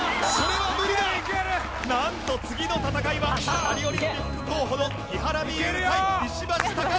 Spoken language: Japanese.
なんと次の戦いはパリオリンピック候補の木原美悠対石橋貴明。